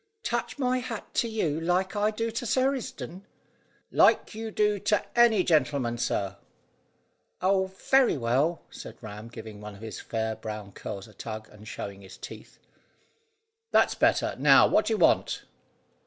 "Touch my hat to you like I do to Sir Risdon?" "Like you do to any gentleman, sir." "Oh, very well," said Ram giving one of his fair brown curls a tug, and showing his teeth. "That's better. Now then, what do you want?"